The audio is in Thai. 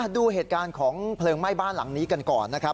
ดูเหตุการณ์ของเพลิงไหม้บ้านหลังนี้กันก่อนนะครับ